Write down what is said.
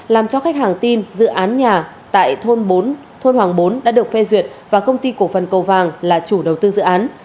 làm cho khách hàng tin dự án nhà tại thôn bốn thôn hoàng bốn đã được phê duyệt và công ty cổ phần cầu vàng là chủ đầu tư dự án